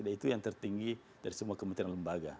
itu yang tertinggi dari semua kementerian lembaga